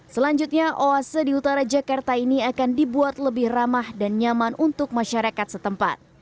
selanjutnya oase di utara jakarta ini akan dibuat lebih ramah dan nyaman untuk masyarakat setempat